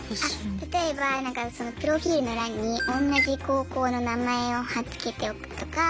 例えばプロフィールの欄に同じ高校の名前を貼っつけておくとか